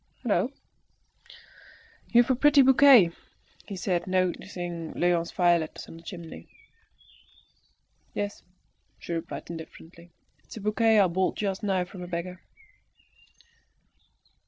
"Hallo! you've a pretty bouquet," he said, noticing Léon's violets on the chimney. "Yes," she replied indifferently; "it's a bouquet I bought just now from a beggar."